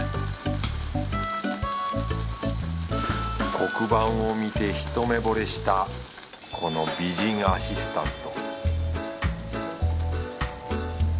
黒板を見てひと目ぼれしたこの美人アシスタント